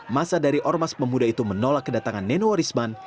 masa dari ormas pemuda itu menolak kedatangan nenowarisman